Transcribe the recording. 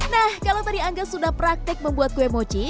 nah kalau tadi angga sudah praktik membuat kue mochi